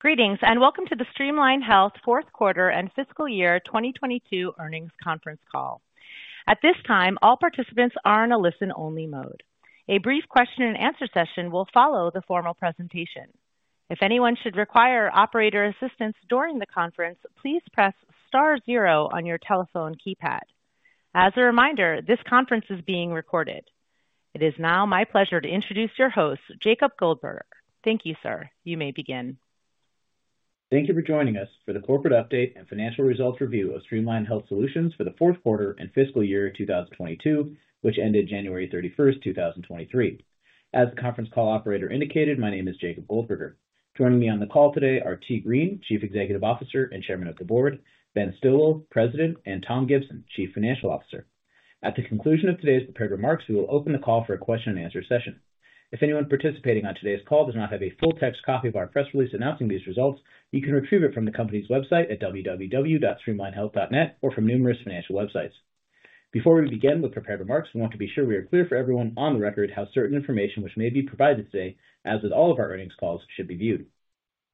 Greetings, and welcome to the Streamline Health fourth quarter and fiscal year 2022 earnings conference call. At this time, all participants are in a listen-only mode. A brief question-and-answer session will follow the formal presentation. If anyone should require operator assistance during the conference, please press star 0 on your telephone keypad. As a reminder, this conference is being recorded. It is now my pleasure to introduce your host, Jacob Goldberger. Thank you, sir. You may begin. Thank you for joining us for the corporate update and financial results review of Streamline Health Solutions for the fourth quarter and fiscal year 2022, which ended January 31, 2023. As the conference call operator indicated, my name is Jacob Goldberger. Joining me on the call today are Tee Green, Chief Executive Officer and Chairman of the Board, Ben Stilwill, President, and Tom Gibson, Chief Financial Officer. At the conclusion of today's prepared remarks, we will open the call for a question-and-answer session. If anyone participating on today's call does not have a full text copy of our press release announcing these results, you can retrieve it from the company's website at www.streamlinehealth.net or from numerous financial websites. Before we begin with prepared remarks, we want to be sure we are clear for everyone on the record how certain information which may be provided today, as with all of our earnings calls, should be viewed.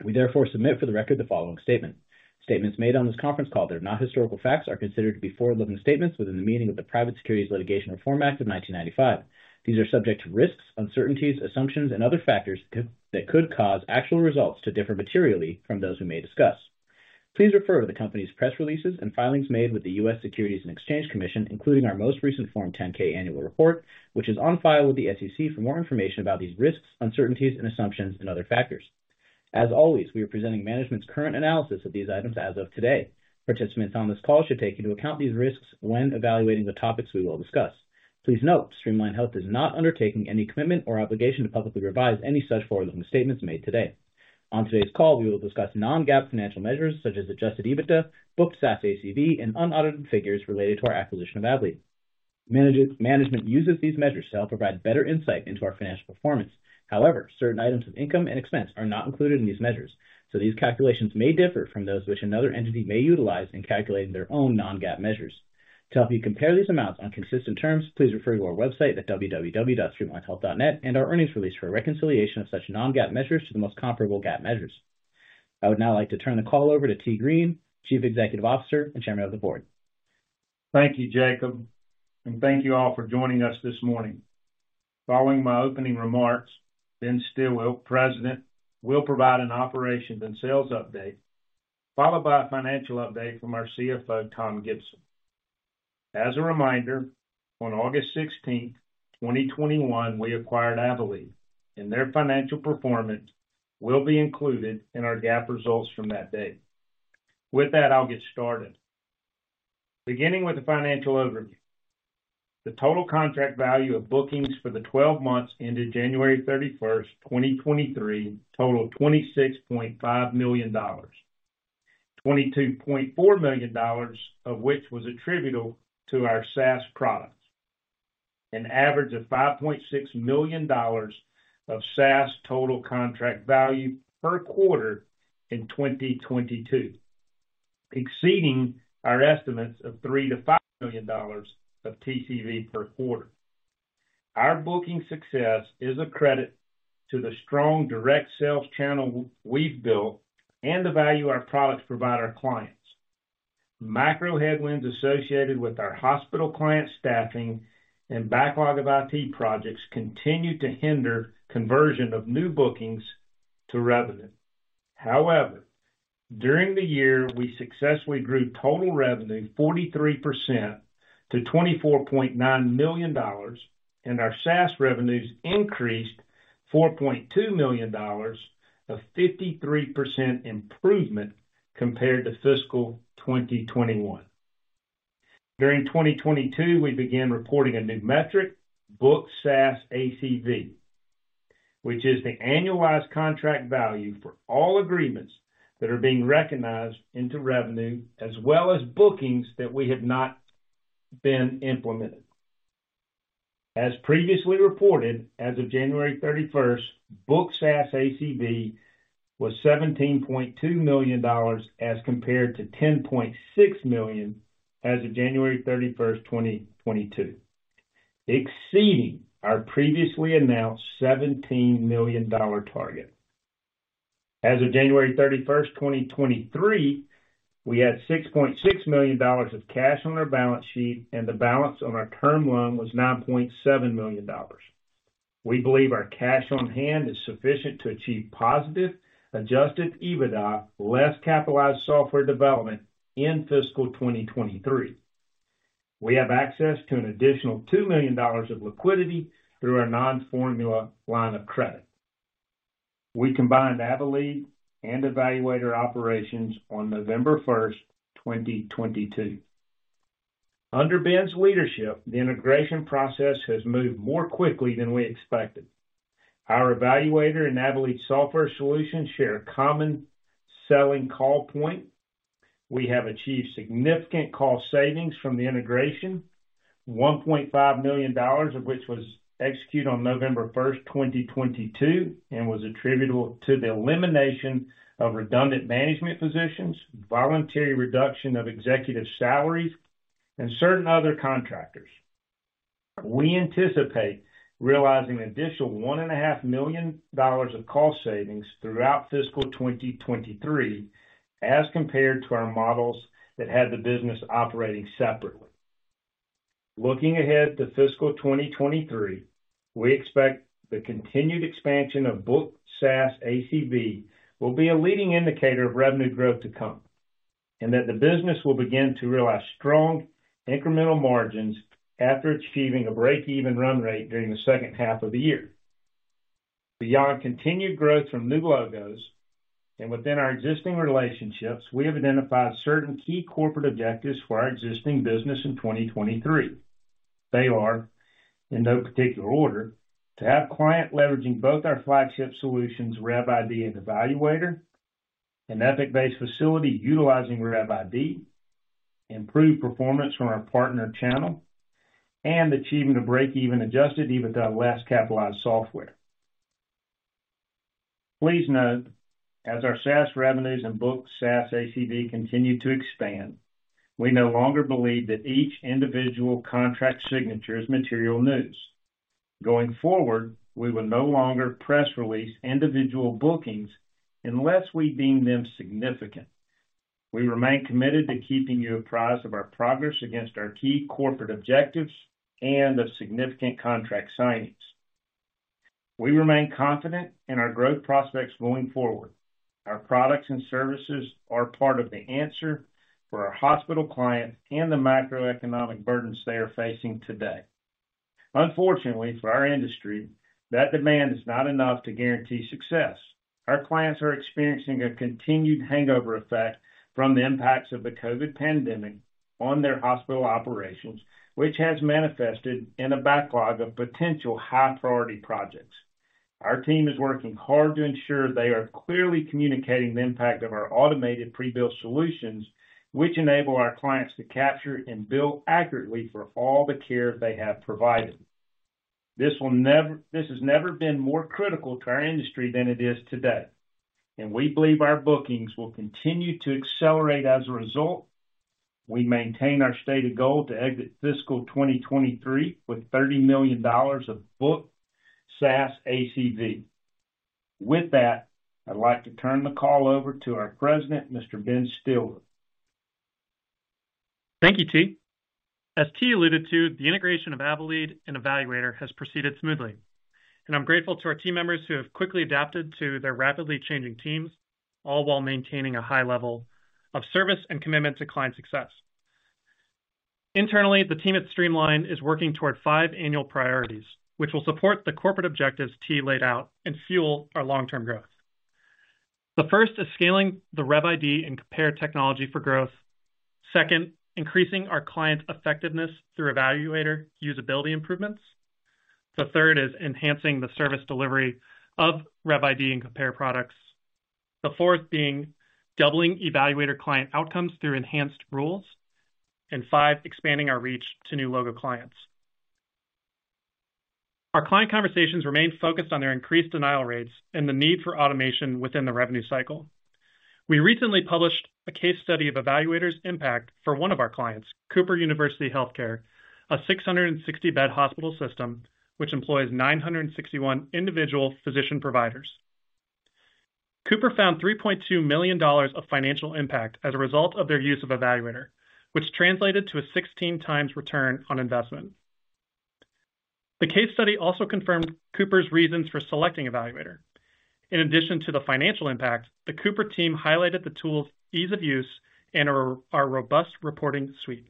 We therefore submit for the record the following statement. Statements made on this conference call that are not historical facts are considered to be forward-looking statements within the meaning of the Private Securities Litigation Reform Act of 1995. These are subject to risks, uncertainties, assumptions, and other factors that could cause actual results to differ materially from those we may discuss. Please refer to the company's press releases and filings made with the U.S. Securities and Exchange Commission, including our most recent Form 10-K annual report, which is on file with the SEC for more information about these risks, uncertainties, and assumptions and other factors. As always, we are presenting management's current analysis of these items as of today. Participants on this call should take into account these risks when evaluating the topics we will discuss. Please note, Streamline Health is not undertaking any commitment or obligation to publicly revise any such forward-looking statements made today. On today's call, we will discuss non-GAAP financial measures such as adjusted EBITDA, booked SaaS ACV, and unaudited figures related to our acquisition of Avelead. Management uses these measures to help provide better insight into our financial performance. Certain items of income and expense are not included in these measures, so these calculations may differ from those which another entity may utilize in calculating their own non-GAAP measures. To help you compare these amounts on consistent terms, please refer to our website at www.streamlinehealth.net and our earnings release for a reconciliation of such non-GAAP measures to the most comparable GAAP measures. I would now like to turn the call over to Tee Green, Chief Executive Officer and Chairman of the Board. Thank you, Jacob, thank you all for joining us this morning. Following my opening remarks, Ben Stilwill, President, will provide an operations and sales update, followed by a financial update from our CFO, Tom Gibson. As a reminder, on August 16th, 2021, we acquired Avelead, and their financial performance will be included in our GAAP results from that day. With that, I'll get started. Beginning with the financial overview. The total contract value of bookings for the 12 months ended January 31st, 2023 totaled $26.5 million, $22.4 million of which was attributable to our SaaS products, an average of $5.6 million of SaaS total contract value per quarter in 2022, exceeding our estimates of $3 million-$5 million of TCV per quarter. Our booking success is a credit to the strong direct sales channel we've built and the value our products provide our clients. Macro headwinds associated with our hospital client staffing and backlog of IT projects continue to hinder conversion of new bookings to revenue. However, during the year, we successfully grew total revenue 43% to $24.9 million, and our SaaS revenues increased $4.2 million of 53% improvement compared to fiscal 2021. During 2022, we began reporting a new metric, booked SaaS ACV, which is the annualized contract value for all agreements that are being recognized into revenue as well as bookings that we have not been implemented. As previously reported, as of January 31st, Booked SaaS ACV was $17.2 million as compared to $10.6 million as of January 31st, 2022, exceeding our previously announced $17 million target. As of January 31st, 2023, we had $6.6 million of cash on our balance sheet, and the balance on our term loan was $9.7 million. We believe our cash on hand is sufficient to achieve positive adjusted EBITDA, less capitalized software development in fiscal 2023. We have access to an additional $2 million of liquidity through our non-formula line of credit. We combined Avelead and eValuator operations on November 1st, 2022. Under Ben's leadership, the integration process has moved more quickly than we expected. Our eValuator and Avelead software solutions share a common selling call point. We have achieved significant cost savings from the integration, $1.5 million of which was executed on November 1, 2022, and was attributable to the elimination of redundant management positions, voluntary reduction of executive salaries and certain other contractors. We anticipate realizing an additional $1.5 million of cost savings throughout fiscal 2023 as compared to our models that had the business operating separately. Looking ahead to fiscal 2023, we expect the continued expansion of Booked SaaS ACV will be a leading indicator of revenue growth to come, and that the business will begin to realize strong incremental margins after achieving a break-even run rate during the second half of the year. Beyond continued growth from new logos and within our existing relationships, we have identified certain key corporate objectives for our existing business in 2023. They are, in no particular order, to have client leveraging both our flagship solutions, RevID and eValuator, an Epic-based facility utilizing RevID, improved performance from our partner channel, and achieving a break-even adjusted EBITDA less capitalized software. Please note, as our SaaS revenues and Booked SaaS ACV continue to expand, we no longer believe that each individual contract signature is material news. Going forward, we will no longer press release individual bookings unless we deem them significant. We remain committed to keeping you apprised of our progress against our key corporate objectives and of significant contract signings. We remain confident in our growth prospects going forward. Our products and services are part of the answer for our hospital clients and the macroeconomic burdens they are facing today. Unfortunately for our industry, that demand is not enough to guarantee success. Our clients are experiencing a continued hangover effect from the impacts of the COVID pandemic on their hospital operations, which has manifested in a backlog of potential high-priority projects. Our team is working hard to ensure they are clearly communicating the impact of our automated pre-bill solutions, which enable our clients to capture and bill accurately for all the care they have provided. This has never been more critical to our industry than it is today, and we believe our bookings will continue to accelerate as a result. We maintain our stated goal to exit fiscal 2023 with $30 million of booked SaaS ACV. With that, I'd like to turn the call over to our President, Mr. Ben Stilwill. Thank you, T. As T alluded to, the integration of Avelead and eValuator has proceeded smoothly, and I'm grateful to our team members who have quickly adapted to their rapidly changing teams, all while maintaining a high level of service and commitment to client success. Internally, the team at Streamline Health is working toward five annual priorities, which will support the corporate objectives T laid out and fuel our long-term growth. The first is scaling the RevID and Compare technology for growth. Second, increasing our client effectiveness through eValuator usability improvements. The third is enhancing the service delivery of RevID and Compare products. The fourth being doubling eValuator client outcomes through enhanced rules, and five, expanding our reach to new logo clients. Our client conversations remain focused on their increased denial rates and the need for automation within the revenue cycle. We recently published a case study of eValuator's impact for one of our clients, Cooper University Health Care, a 660 bed hospital system which employs 961 individual physician providers. Cooper found $3.2 million of financial impact as a result of their use of eValuator, which translated to a 16 times ROI. The case study also confirmed Cooper's reasons for selecting eValuator. In addition to the financial impact, the Cooper team highlighted the tool's ease of use and our robust reporting suite.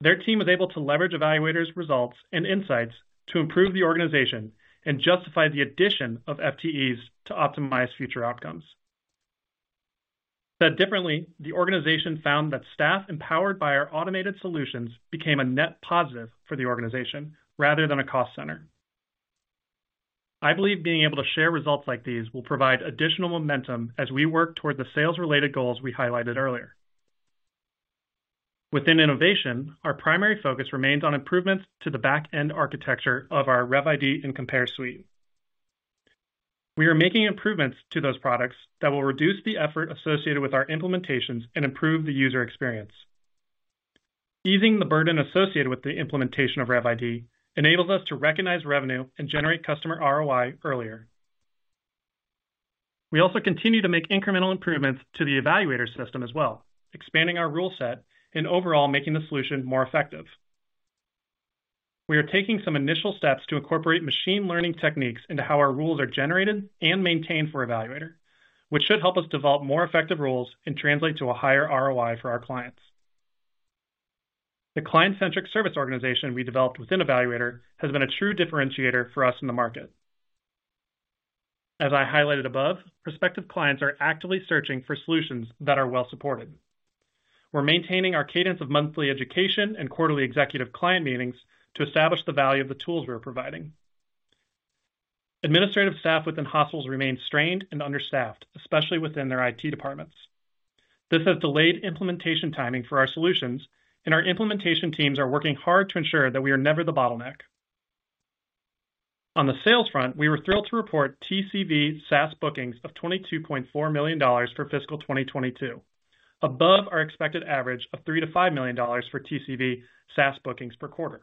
Their team was able to leverage eValuator's results and insights to improve the organization and justify the addition of FTEs to optimize future outcomes. Said differently, the organization found that staff empowered by our automated solutions became a net positive for the organization rather than a cost center. I believe being able to share results like these will provide additional momentum as we work toward the sales-related goals we highlighted earlier. Within innovation, our primary focus remains on improvements to the back-end architecture of our RevID and Compare suite. We are making improvements to those products that will reduce the effort associated with our implementations and improve the user experience. Easing the burden associated with the implementation of RevID enables us to recognize revenue and generate customer ROI earlier. We also continue to make incremental improvements to the eValuator system as well, expanding our rule set and overall making the solution more effective. We are taking some initial steps to incorporate machine learning techniques into how our rules are generated and maintained for eValuator, which should help us develop more effective rules and translate to a higher ROI for our clients. The client-centric service organization we developed within eValuator has been a true differentiator for us in the market. As I highlighted above, prospective clients are actively searching for solutions that are well supported. We're maintaining our cadence of monthly education and quarterly executive client meetings to establish the value of the tools we're providing. Administrative staff within hospitals remain strained and understaffed, especially within their IT departments. This has delayed implementation timing for our solutions, and our implementation teams are working hard to ensure that we are never the bottleneck. On the sales front, we were thrilled to report TCV SaaS bookings of $22.4 million for fiscal 2022, above our expected average of $3 million-$5 million for TCV SaaS bookings per quarter.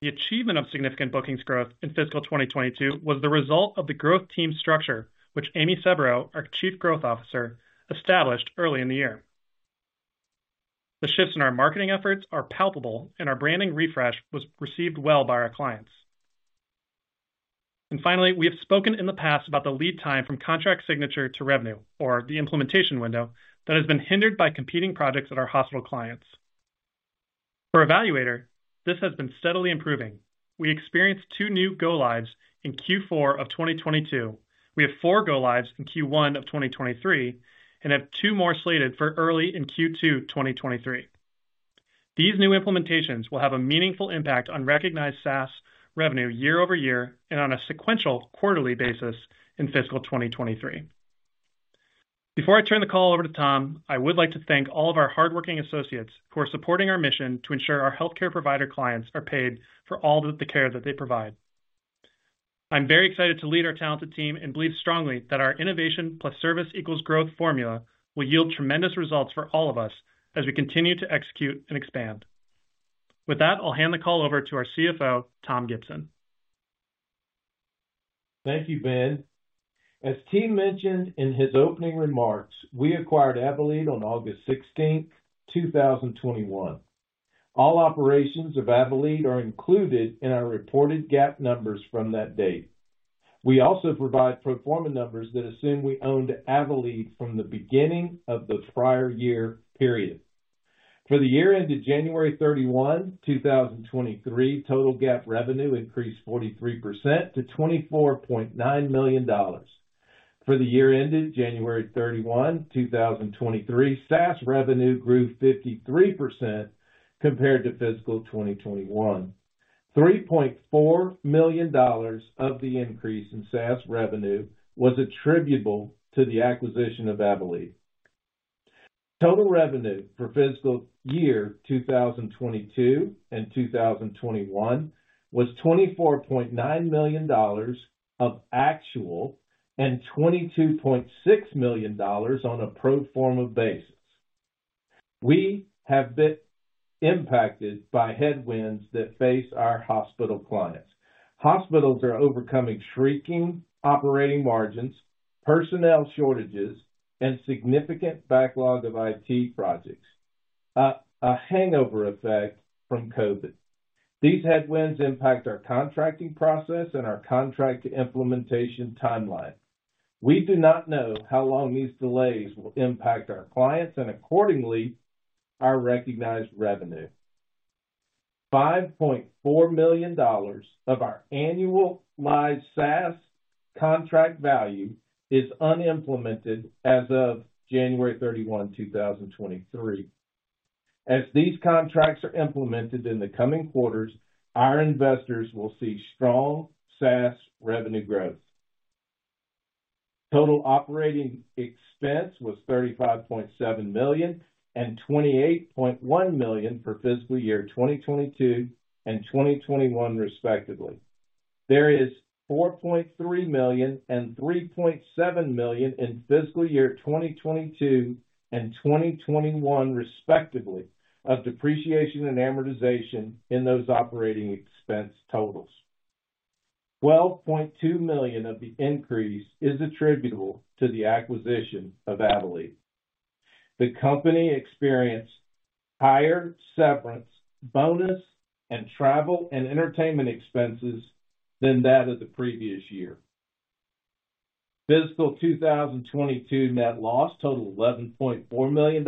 The achievement of significant bookings growth in fiscal 2022 was the result of the growth team structure, which Amy Seberras, our Chief Growth Officer, established early in the year. The shifts in our marketing efforts are palpable, and our branding refresh was received well by our clients. Finally, we have spoken in the past about the lead time from contract signature to revenue or the implementation window that has been hindered by competing projects at our hospital clients. For eValuator, this has been steadily improving. We experienced two new go-lives in Q4 of 2022. We have four go-lives in Q1 of 2023 and have two more slated for early in Q2 2023. These new implementations will have a meaningful impact on recognized SaaS revenue year-over-year and on a sequential quarterly basis in fiscal 2023. Before I turn the call over to Tom, I would like to thank all of our hardworking associates who are supporting our mission to ensure our healthcare provider clients are paid for all the care that they provide. I'm very excited to lead our talented team and believe strongly that our innovation plus service equals growth formula will yield tremendous results for all of us as we continue to execute and expand. With that, I'll hand the call over to our CFO, Tom Gibson. Thank you, Ben. As team mentioned in his opening remarks, we acquired Avelead on August 16, 2021. All operations of Avelead are included in our reported GAAP numbers from that date. We also provide pro forma numbers that assume we owned Avelead from the beginning of the prior year period. For the year ended January 31, 2023, total GAAP revenue increased 43% to $24.9 million. For the year ended January 31, 2023, SaaS revenue grew 53% compared to fiscal 2021. $3.4 million of the increase in SaaS revenue was attributable to the acquisition of Avelead. Total revenue for fiscal year 2022 and 2021 was $24.9 million of actual and $22.6 million on a pro forma basis. We have been impacted by headwinds that face our hospital clients. Hospitals are overcoming shrinking operating margins, personnel shortages, and significant backlog of IT projects, a hangover effect from COVID. These headwinds impact our contracting process and our contract implementation timeline. We do not know how long these delays will impact our clients and accordingly, our recognized revenue. $5.4 million of our annualized SaaS contract value is unimplemented as of January 31, 2023. As these contracts are implemented in the coming quarters, our investors will see strong SaaS revenue growth. Total operating expense was $35.7 million and $28.1 million for fiscal year 2022 and 2021 respectively. There is $4.3 million and $3.7 million in fiscal year 2022 and 2021 respectively of depreciation and amortization in those operating expense totals. $12.2 million of the increase is attributable to the acquisition of Avelead. The company experienced higher severance, bonus, and travel and entertainment expenses than that of the previous year. Fiscal 2022 net loss totaled $11.4 million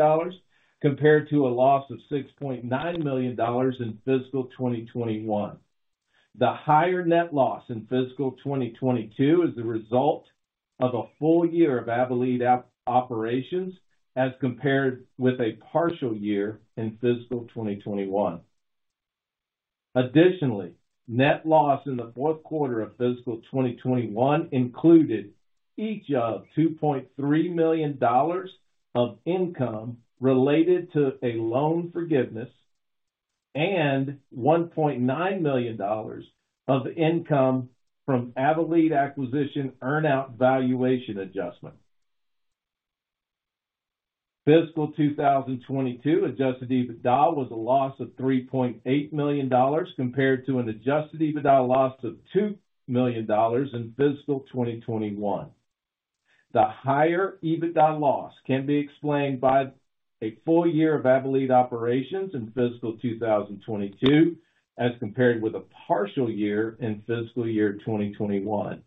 compared to a loss of $6.9 million in fiscal 2021. The higher net loss in fiscal 2022 is the result of a full year of Avelead operations as compared with a partial year in fiscal 2021. Net loss in the fourth quarter of fiscal 2021 included each of $2.3 million of income related to a loan forgiveness and $1.9 million of income from Avelead acquisition earn out valuation adjustment. Fiscal 2022 adjusted EBITDA was a loss of $3.8 million compared to an adjusted EBITDA loss of $2 million in fiscal 2021. The higher EBITDA loss can be explained by a full year of Avelead operations in fiscal 2022 as compared with a partial year in fiscal year 2021.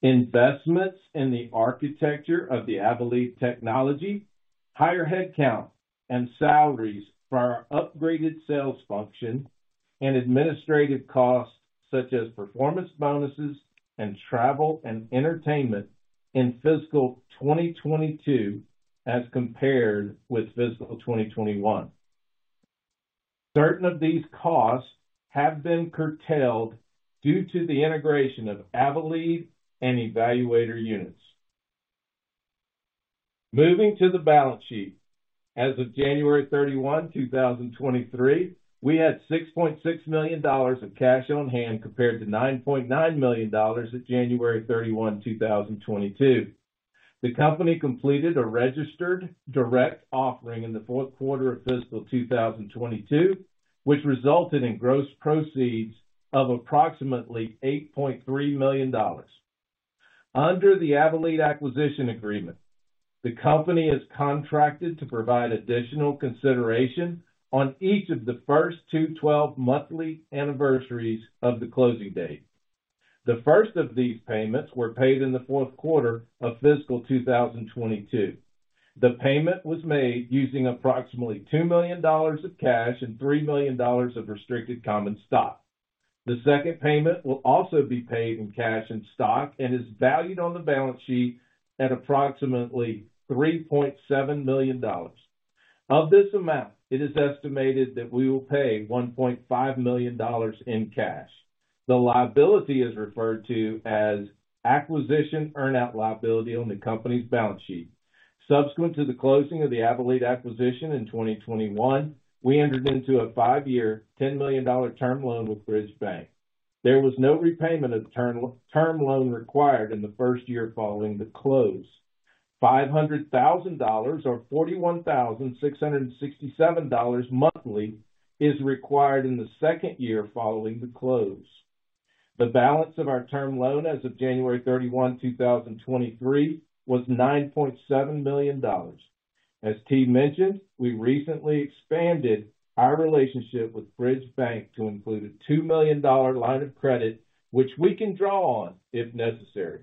Investments in the architecture of the Avelead technology, higher headcount and salaries for our upgraded sales function and administrative costs such as performance bonuses and travel and entertainment in fiscal 2022 as compared with fiscal 2021. Certain of these costs have been curtailed due to the integration of Avelead and eValuator units. Moving to the balance sheet. As of January 31, 2023, we had $6.6 million of cash on hand compared to $9.9 million at January 31, 2022. The company completed a registered direct offering in the fourth quarter of fiscal 2022, which resulted in gross proceeds of approximately $8.3 million. Under the Avelead acquisition agreement, the company is contracted to provide additional consideration on each of the first two 12-monthly anniversaries of the closing date. The first of these payments were paid in the fourth quarter of fiscal 2022. The payment was made using approximately $2 million of cash and $3 million of restricted common stock. The second payment will also be paid in cash and stock and is valued on the balance sheet at approximately $3.7 million. Of this amount, it is estimated that we will pay $1.5 million in cash. The liability is referred to as acquisition earn-out liability on the company's balance sheet. Subsequent to the closing of the Avelead acquisition in 2021, we entered into a five-year, $10 million term loan with Bridge Bank. There was no repayment of the term loan required in the first year following the close. $500,000 or $41,667 monthly is required in the second year following the close. The balance of our term loan as of January 31, 2023 was $9.7 million. As T mentioned, we recently expanded our relationship with Bridge Bank to include a $2 million line of credit which we can draw on if necessary.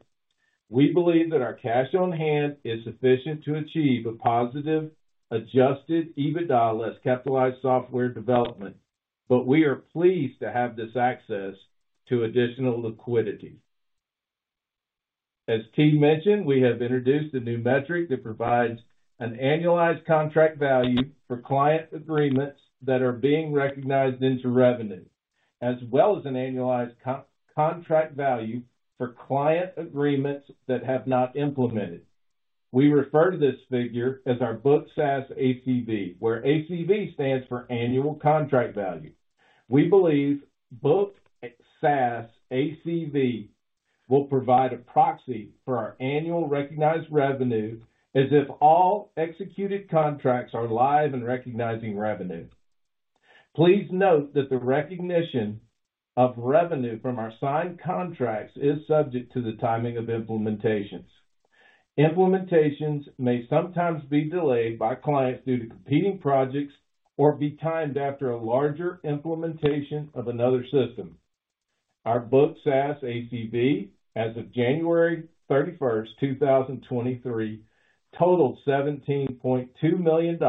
We believe that our cash on hand is sufficient to achieve a positive adjusted EBITDA less capitalized software development, but we are pleased to have this access to additional liquidity. As T mentioned, we have introduced a new metric that provides an annualized contract value for client agreements that are being recognized into revenue, as well as an annualized co-contract value for client agreements that have not implemented. We refer to this figure as our booked SaaS ACV, where ACV stands for annual contract value. We believe booked SaaS ACV will provide a proxy for our annual recognized revenue as if all executed contracts are live and recognizing revenue. Please note that the recognition of revenue from our signed contracts is subject to the timing of implementations. Implementations may sometimes be delayed by clients due to competing projects or be timed after a larger implementation of another system. Our booked SaaS ACV as of January 31, 2023 totaled $17.2 million,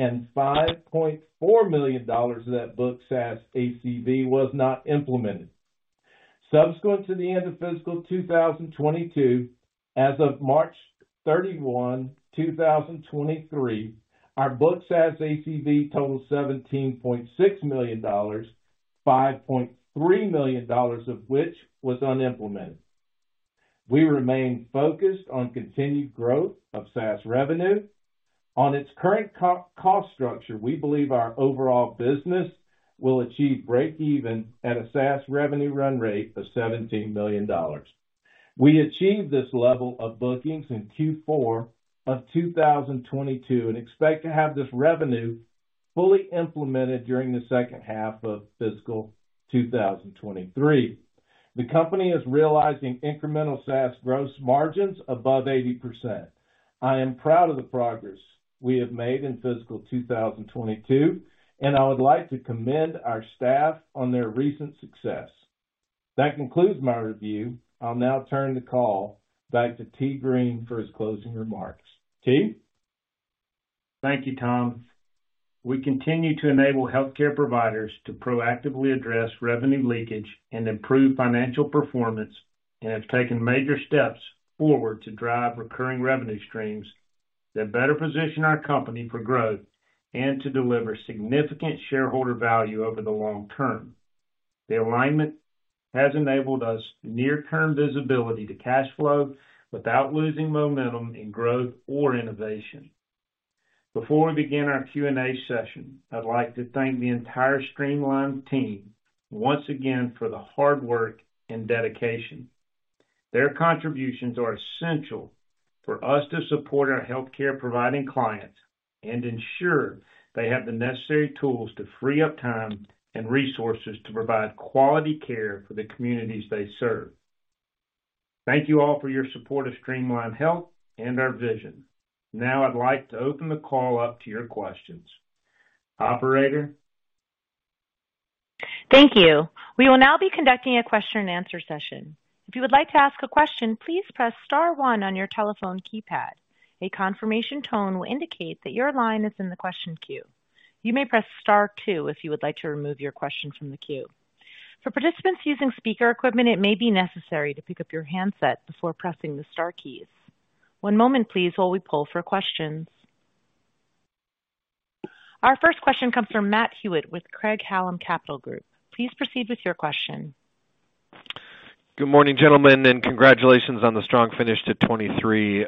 and $5.4 million of that booked SaaS ACV was not implemented. Subsequent to the end of fiscal 2022, as of March 31, 2023, our booked SaaS ACV totaled $17.6 million, $5.3 million of which was unimplemented. We remain focused on continued growth of SaaS revenue. On its current co-cost structure, we believe our overall business will achieve breakeven at a SaaS revenue run rate of $17 million. We achieved this level of bookings in Q4 of 2022 and expect to have this revenue fully implemented during the second half of fiscal 2023. The company is realizing incremental SaaS gross margins above 80%. I am proud of the progress we have made in fiscal 2022. I would like to commend our staff on their recent success. That concludes my review. I'll now turn the call back to Tee Green for his closing remarks. T? Thank you, Tom. We continue to enable healthcare providers to proactively address revenue leakage and improve financial performance and have taken major steps forward to drive recurring revenue streams that better position our company for growth and to deliver significant shareholder value over the long term. The alignment has enabled us near-term visibility to cash flow without losing momentum in growth or innovation. Before we begin our Q&A session, I'd like to thank the entire Streamline team once again for the hard work and dedication. Their contributions are essential for us to support our healthcare providing clients and ensure they have the necessary tools to free up time and resources to provide quality care for the communities they serve. Thank you all for your support of Streamline Health and our vision. I'd like to open the call up to your questions. Operator? Thank you. We will now be conducting a question and answer session. If you would like to ask a question, please press star one on your telephone keypad. A confirmation tone will indicate that your line is in the question queue. You may press star two if you would like to remove your question from the queue. For participants using speaker equipment, it may be necessary to pick up your handset before pressing the star keys. One moment please while we poll for questions. Our first question comes from Matt Hewitt with Craig-Hallum Capital Group. Please proceed with your question. Good morning, gentlemen. Congratulations on the strong finish to 2023.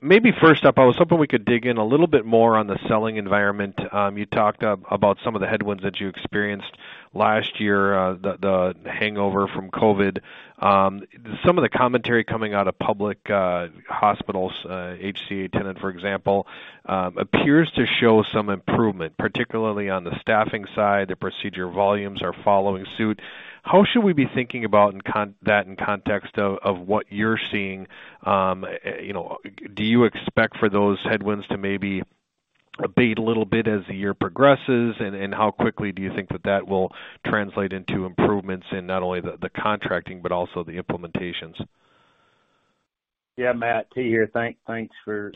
Maybe first up, I was hoping we could dig in a little bit more on the selling environment. You talked about some of the headwinds that you experienced last year, the hangover from COVID. Some of the commentary coming out of public hospitals, HCA, Tenet, for example, appears to show some improvement, particularly on the staffing side. The procedure volumes are following suit. How should we be thinking about that in context of what you're seeing, you know, do you expect for those headwinds to maybe abate a little bit as the year progresses? How quickly do you think that that will translate into improvements in not only the contracting but also the implementations? Yeah. Matt, Tee here. Thanks for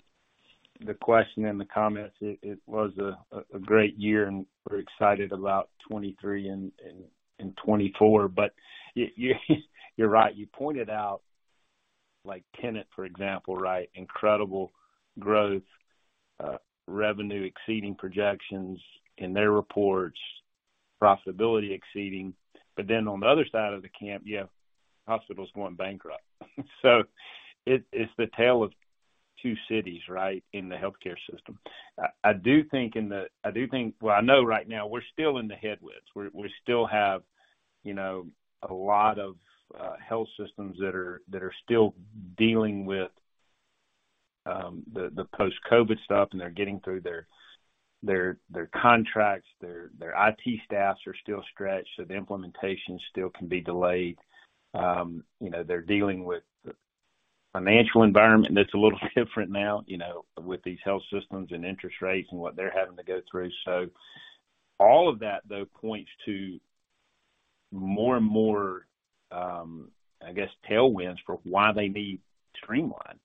the question and the comments. It was a great year, and we're excited about 2023 and 2024. You're right, you pointed out, like Tenet, for example, right, incredible growth, revenue exceeding projections in their reports, profitability exceeding. On the other side of the camp, you have hospitals going bankrupt. It's the tale of two cities, right, in the healthcare system. I do think. Well, I know right now we're still in the headwinds. We still have, you know, a lot of health systems that are still dealing with the post-COVID stuff, and they're getting through their contracts. Their IT staffs are still stretched, so the implementation still can be delayed. You know, they're dealing with a financial environment that's a little different now, you know, with these health systems and interest rates and what they're having to go through. All of that, though, points to more and more, I guess, tailwinds for why they need Streamline.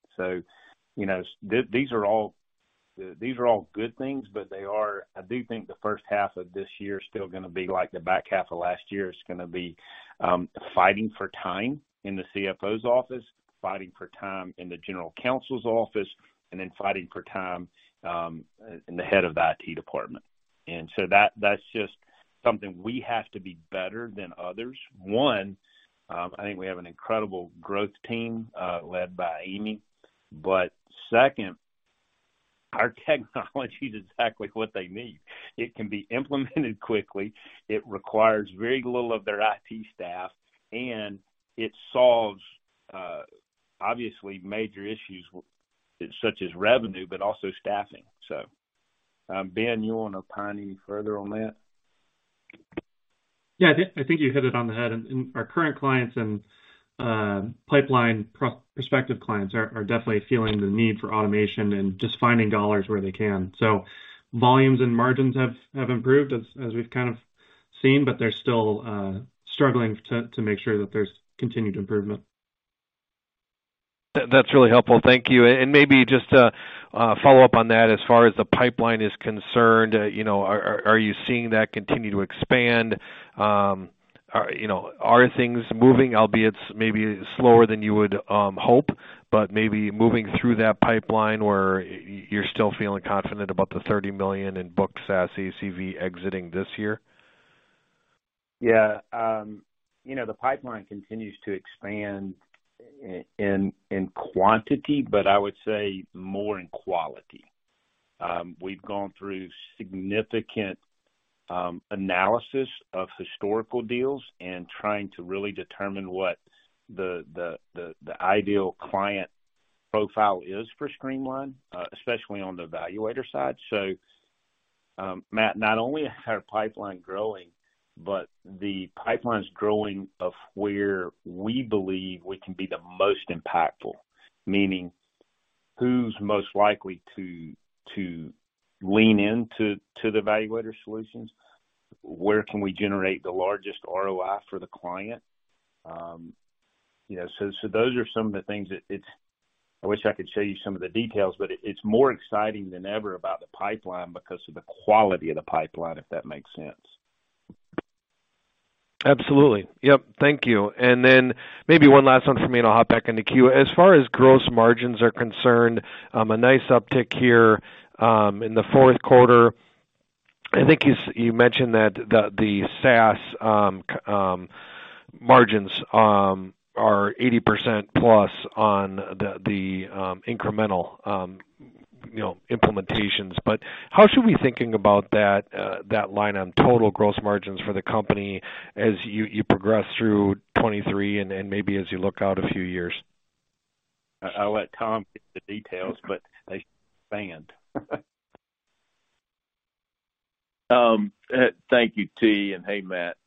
You know, these are all, these are all good things, but they are. I do think the first half of this year is still gonna be like the back half of last year. It's gonna be, fighting for time in the CFO's office, fighting for time in the general counsel's office, and then fighting for time, in the head of the IT department. That, that's just something we have to be better than others. One, I think we have an incredible growth team, led by Amy. Second, our technology is exactly what they need. It can be implemented quickly, it requires very little of their IT staff, and it solves, obviously major issues such as revenue, but also staffing. Ben, you wanna opine any further on that? Yeah. I think you hit it on the head. Our current clients and pipeline prospective clients are definitely feeling the need for automation and just finding dollars where they can. Volumes and margins have improved as we've kind of seen, but they're still struggling to make sure that there's continued improvement. That's really helpful. Thank you. Maybe just to follow up on that as far as the pipeline is concerned, you know, are you seeing that continue to expand? Are, you know, are things moving, albeit maybe slower than you would hope, but maybe moving through that pipeline where you're still feeling confident about the $30 million in booked SaaS ACV exiting this year? You know, the pipeline continues to expand in quantity, but I would say more in quality. We've gone through significant analysis of historical deals and trying to really determine what the ideal client profile is for Streamline, especially on the eValuator side. Matt, not only is our pipeline growing, but the pipeline's growing of where we believe we can be the most impactful, meaning who's most likely to lean into the eValuator solutions? Where can we generate the largest ROI for the client? You know, so those are some of the things. I wish I could show you some of the details, but it's more exciting than ever about the pipeline because of the quality of the pipeline, if that makes sense. Absolutely. Yep. Thank you. Then maybe one last one for me, and I'll hop back in the queue. As far as gross margins are concerned, a nice uptick here, in the fourth quarter. I think you mentioned that the SaaS, margins, are 80%+ on the incremental, you know, implementations. How should we be thinking about that line on total gross margins for the company as you progress through 2023 and maybe as you look out a few years? I'll let Tom get the details, they spanned. Thank you, T, and hey, Matt.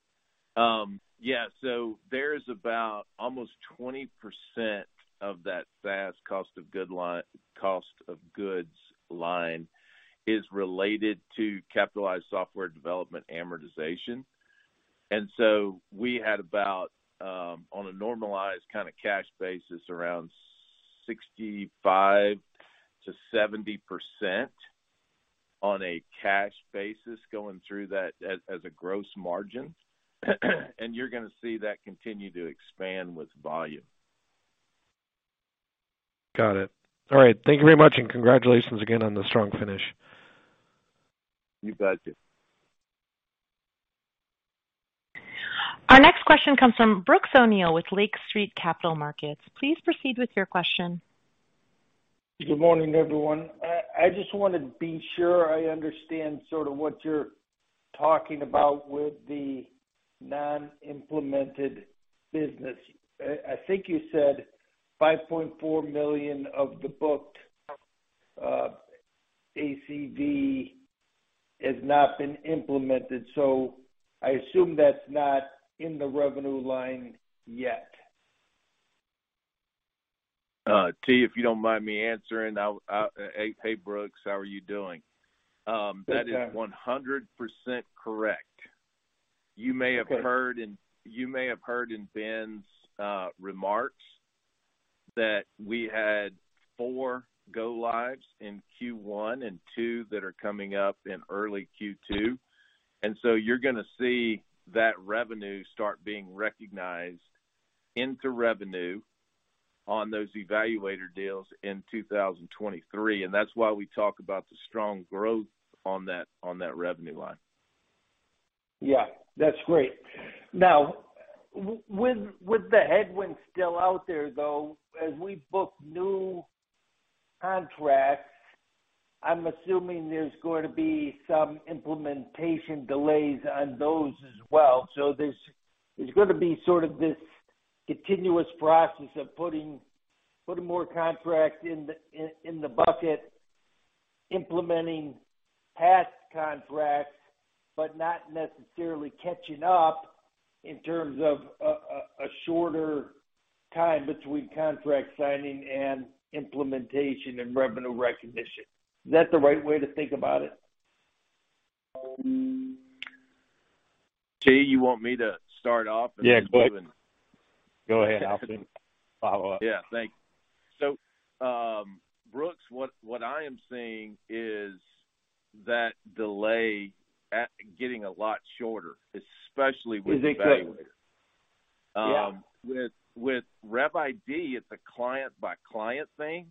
Yeah. There's about almost 20% of that SaaS cost of goods line is related to capitalized software development amortization. We had about, on a normalized kinda cash basis, around 65%-70% on a cash basis going through that as a gross margin. You're gonna see that continue to expand with volume. Got it. All right. Thank you very much, and congratulations again on the strong finish. You betcha. Our next question comes from Brooks O'Neil with Lake Street Capital Markets. Please proceed with your question. Good morning, everyone. I just want to be sure I understand sort of what you're talking about with the non-implemented business. I think you said $5.4 million of the booked ACV has not been implemented. I assume that's not in the revenue line yet. T., if you don't mind me answering. Hey, Brooks, how are you doing? Good, Tom. That is 100% correct. Okay. You may have heard in Ben's remarks that we had four go-lives in Q1 and two that are coming up in early Q2. You're gonna see that revenue start being recognized into revenue on those eValuator deals in 2023. That's why we talk about the strong growth on that revenue line. Yeah, that's great. Now, with the headwinds still out there, though, as we book new contracts, I'm assuming there's going to be some implementation delays on those as well. So there's going to be sort of this continuous process of putting more contracts in the bucket, implementing past contracts, but not necessarily catching up in terms of a shorter time between contract signing and implementation and revenue recognition. Is that the right way to think about it? T., you want me to start off and then you can- Yeah, go ahead. Go ahead, I'll just follow up. Yeah. Thank you. Brooks, what I am seeing is that delay getting a lot shorter, especially with eValuator. Is it good? Yeah. With RevID, it's a client-by-client thing,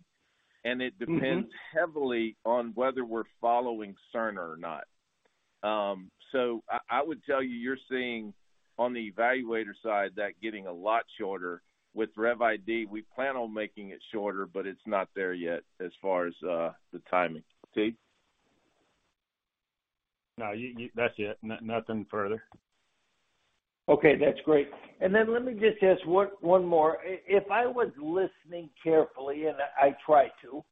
and it depends. Mm-hmm -heavily on whether we're following Cerner or not. I would tell you're seeing on the eValuator side that getting a lot shorter. With RevID, we plan on making it shorter, but it's not there yet as far as, the timing. T.? No. That's it. No, nothing further. Okay, that's great. Let me just ask one more. If I was listening carefully, and I try to,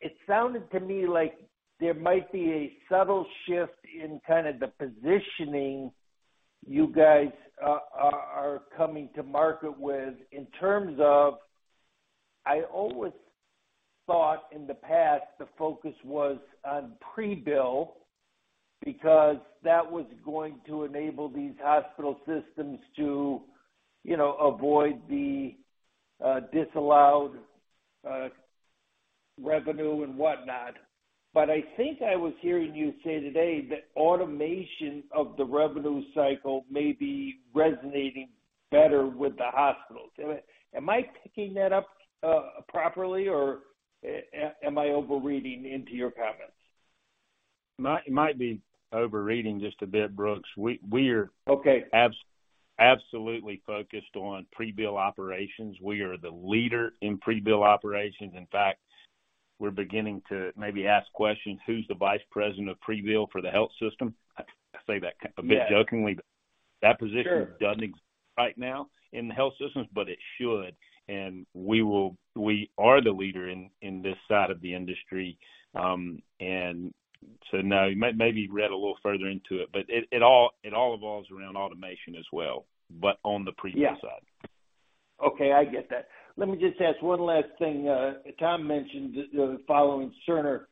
it sounded to me like there might be a subtle shift in kind of the positioning you guys are coming to market with in terms of, I always thought in the past the focus was on pre-bill because that was going to enable these hospital systems to, you know, avoid the disallowed revenue and whatnot. I think I was hearing you say today that automation of the revenue cycle may be resonating better with the hospitals. Am I picking that up properly, or am I overreading into your comments? might be overreading just a bit, Brooks. We are- Okay absolutely focused on pre-bill operations. We are the leader in pre-bill operations. In fact, we're beginning to maybe ask questions, who's the vice president of pre-bill for the health system? I say that. Yeah a bit jokingly. Sure. That position doesn't exist right now in the health systems, but it should. We are the leader in this side of the industry. No. You maybe read a little further into it, but it all evolves around automation as well, but on the pre-bill side. Yeah. Okay, I get that. Let me just ask one last thing. Tom mentioned the following Cerner.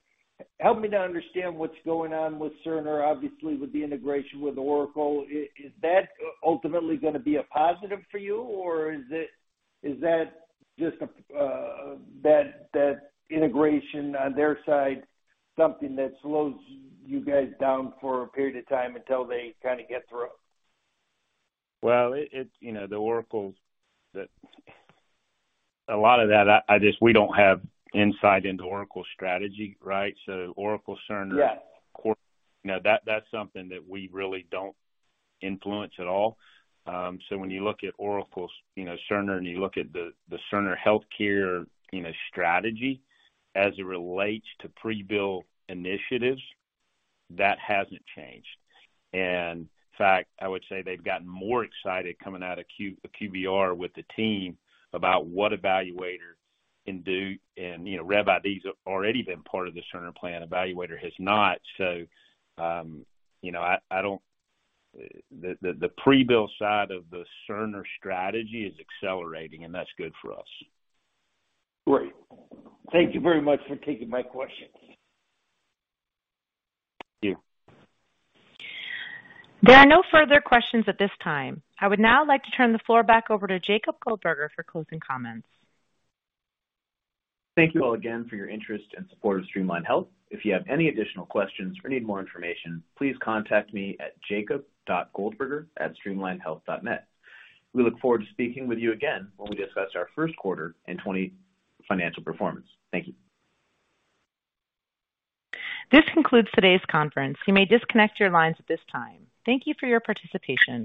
Help me to understand what's going on with Cerner, obviously with the integration with Oracle. Is that ultimately gonna be a positive for you, or is that just that integration on their side, something that slows you guys down for a period of time until they kinda get through? Well, it's, you know, the Oracle's. A lot of that, I just, we don't have insight into Oracle's strategy, right? Oracle's Cerner. Yes you know, that's something that we really don't influence at all. When you look at Oracle's, you know, Cerner and you look at the Cerner healthcare, you know, strategy as it relates to pre-bill initiatives, that hasn't changed. In fact, I would say they've gotten more excited coming out of QBR with the team about what eValuator can do and, you know, RevID's already been part of the Cerner plan, eValuator has not. You know, I don't. The pre-bill side of the Cerner strategy is accelerating, and that's good for us. Great. Thank you very much for taking my questions. Thank you. There are no further questions at this time. I would now like to turn the floor back over to Jacob Goldberger for closing comments. Thank you all again for your interest and support of Streamline Health. If you have any additional questions or need more information, please contact me at jacob.goldberger@streamlinehealth.net. We look forward to speaking with you again when we discuss our first quarter and 2020 financial performance. Thank you. This concludes today's conference. You may disconnect your lines at this time. Thank you for your participation.